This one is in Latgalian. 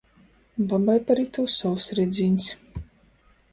Babai par itū sovs redzīņs...